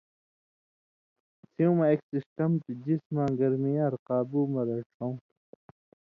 سېوں مہ اېک سسٹم تُھو جسماں گرمی یار قابُو مہ رڇھؤں